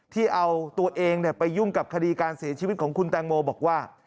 ที่เอาตัวเองไปยุ่งกับคดีการเสียชีวิตของคุณแตงโมบอกว่า